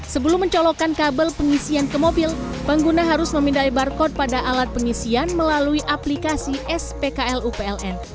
sebelum mencolokkan kabel pengisian ke mobil pengguna harus memindai barcode pada alat pengisian melalui aplikasi spklu pln